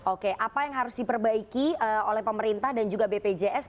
oke apa yang harus diperbaiki oleh pemerintah dan juga bpjs